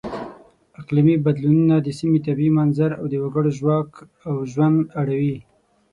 اقلیمي بدلونونه د سیمې طبیعي منظر او د وګړو ژواک او ژوند اړوي.